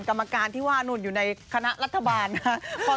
กรรมการที่ว่านู่นอยู่ในคณะรัฐบาลนะครับ